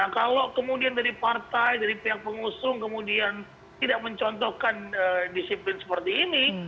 nah kalau kemudian dari partai dari pihak pengusung kemudian tidak mencontohkan disiplin seperti ini